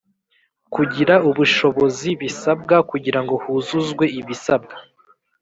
kugira ubushobozi bisabwa kugira ngo huzuzwe ibisabwa